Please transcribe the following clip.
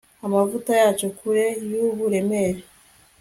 Amavuta yacyo kure yuburemere